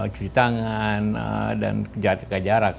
cuci tangan dan kejarak